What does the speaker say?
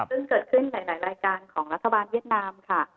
ซึ่งเกิดขึ้นหลายรายการของรัฐบาลเวียดนามค่ะ